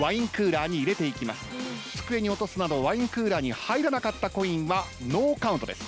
机に落とすなどワインクーラーに入らなかったコインはノーカウントです。